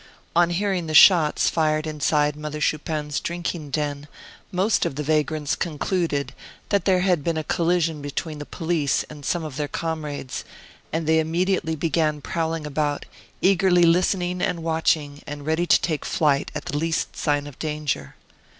On hearing the shots fired inside Mother Chupin's drinking den, most of the vagrants concluded that there had been a collision between the police and some of their comrades, and they immediately began prowling about, eagerly listening and watching, and ready to take flight at the least sign of danger.